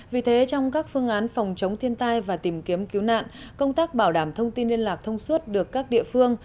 vì thế trong các phương án phòng chống thiên tai và tìm kiếm cứu nạn công tác bảo đảm thông tin liên lạc thông suốt được các địa phương